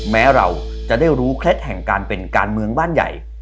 แม้เราจะได้รู้เคล็ดแห่งการเป็นการเมืองบ้านใหญ่